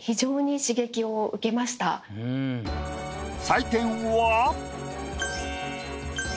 採点は。